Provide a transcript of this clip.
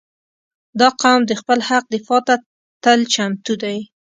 • دا قوم د خپل حق دفاع ته تل چمتو دی.